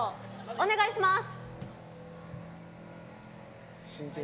お願いします。